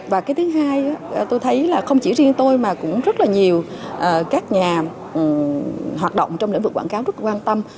và thứ hai tôi thấy không chỉ riêng tôi mà cũng rất nhiều các nhà hoạt động trong lĩnh vực quảng cáo rất quan tâm